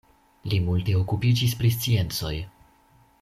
Li multe okupiĝis pri sciencoj.